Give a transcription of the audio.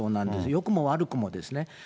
よくも悪くもですね。